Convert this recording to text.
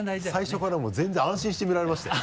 最初からもう全然安心して見られましたよ。